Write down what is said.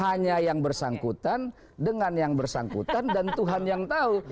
hanya yang bersangkutan dengan yang bersangkutan dan tuhan yang tahu